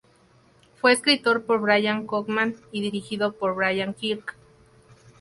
Fue escrito por Bryan Cogman, y dirigido por Brian Kirk.